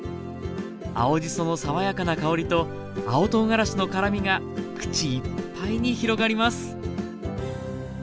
青じその爽やかな香りと青とうがらしの辛みが口いっぱいに広がります